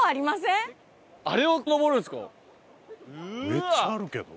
めっちゃあるけど。